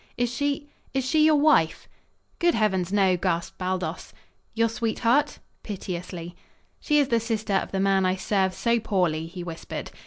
"Is she is she your wife?" "Good heavens, no!" gasped Baldos. "Your sweetheart?" piteously. "She is the sister of the man I serve so poorly," he whispered.